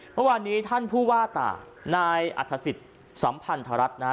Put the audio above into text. เพราะวันนี้ท่านผู้ว่าต่านายอรรถสิทธิ์สัมพันธรรัฐนะฮะ